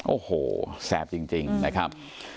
โอ้โหแสบจริงนะครับ